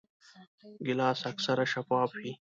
ګیلاس اکثره شفاف وي.